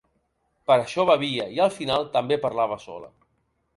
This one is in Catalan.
Per això bevia i al final també parlava sola.